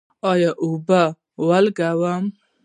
آیا اوبه ولګوو؟